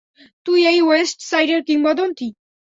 তুই এই ওয়েস্ট সাইডের কিংবদন্তী!